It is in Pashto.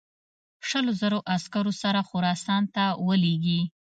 شلو زرو عسکرو سره خراسان ته ولېږي.